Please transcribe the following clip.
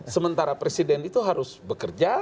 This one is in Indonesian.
sementara presiden itu harus bekerja